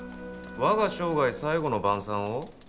「我が生涯最後の晩餐」を？